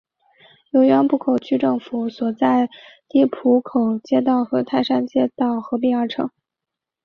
由原浦口区政府所在地浦口街道和泰山街道合并而成。